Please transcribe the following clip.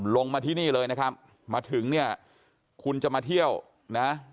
ลงมาที่นี่เลยนะครับมาถึงเนี่ยคุณจะมาเที่ยวนะ